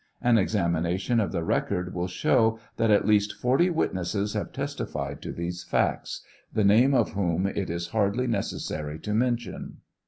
An examination of the record will show that at lease forty witnesses have testified to these facts, the name of whom it is hardly necessary to mention.